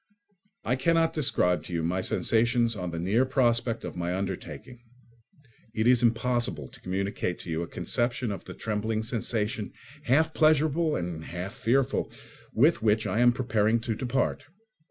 I cannot describe to you my sensations on the near prospect of my undertaking. It is impossible to communicate to you a conception of the trembling sensation, half pleasurable and half fearful, with which I am preparing to depart.